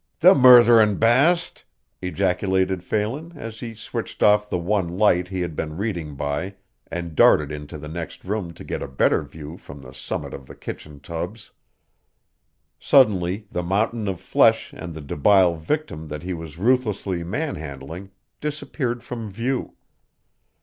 "The murtherin' baste!" ejaculated Phelan as he switched off the one light he had been reading by and darted into the next room to get a better view from the summit of the kitchen tubs. Suddenly the mountain of flesh and the debile victim that he was ruthlessly manhandling disappeared from view.